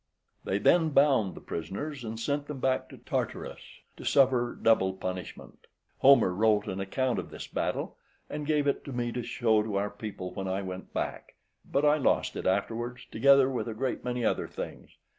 They then bound the prisoners and sent them back to Tartarus, to suffer double punishment. Homer wrote an account of this battle, and gave it me to show it to our people when I went back, but I lost it afterwards, together with a great many other things.